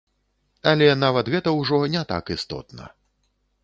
Але нават гэта ўжо не так істотна.